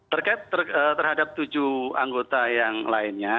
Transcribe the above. terkait terhadap tujuh anggota yang lainnya